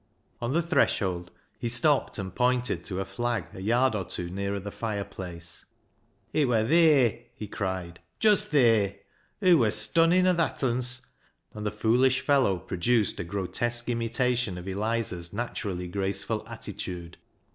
On the threshold he stopped and pointed to a flag a yard or two nearer the fireplace. " It wur theer," he cried, "just theer. Hoo wur stonnin' o' thatunce," and the foolish fellow produced a grotesque imitation of Eliza's naturally graceful attitude.